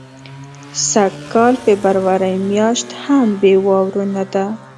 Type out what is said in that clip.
سږ کال فبرورۍ میاشت هم بې واورو نه ده.